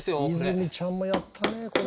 泉ちゃんもやったねこれ。